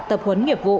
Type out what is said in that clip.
tập huấn nghiệp vụ